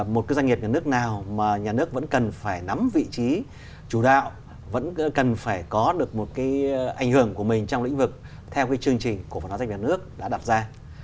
một cái doanh nghiệp nhà nước nào mà nhà nước vẫn cần phải nắm vị trí chủ đạo vẫn cần phải có được một cái ảnh hưởng của mình trong lĩnh vực theo cái chương trình cổ phần hóa doanh nghiệp nước đã đặt ra